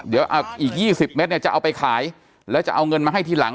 เดี๋ยวอีก๒๐เมตรเนี่ยจะเอาไปขายแล้วจะเอาเงินมาให้ทีหลัง